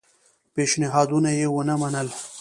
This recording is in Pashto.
پېشنهادونه یې ونه منل.